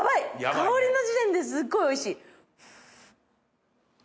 香りの時点ですっごいおいしい。